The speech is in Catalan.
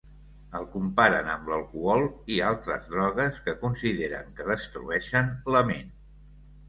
El comparen amb l'alcohol i altres drogues, que consideren que destrueixen la ment.